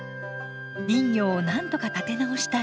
林業をなんとか立て直したい。